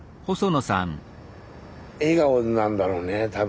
笑顔なんだろうね多分。